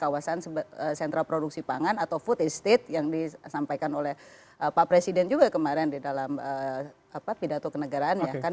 kawasan sentra produksi pangan atau food estate yang disampaikan oleh pak presiden juga kemarin di dalam pidato kenegaraan ya kan